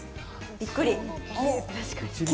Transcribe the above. びっくり。